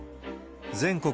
全国